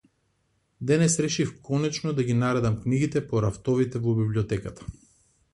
Денес решив конечно да ги наредам книгите по рафтовите во библиотеката.